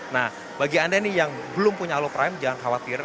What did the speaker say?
nah bagi anda nih yang belum punya alo prime jangan khawatir